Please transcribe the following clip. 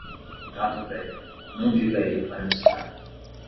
Gato velho, não diga a ele para misturar.